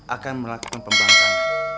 akan melakukan pembangkang